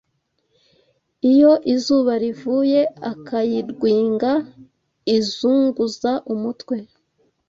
Iyo izuba rivuye akayidwinga izunguza umutwe